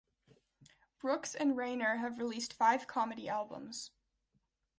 Brooks and Reiner have released five comedy albums.